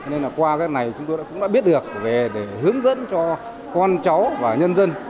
nên là qua cái này chúng tôi cũng đã biết được về để hướng dẫn cho con cháu và nhân dân